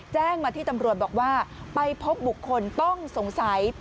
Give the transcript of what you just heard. แจ้งมาที่ตำรวจบอกว่าไปพบบุคคลต้องสงสัย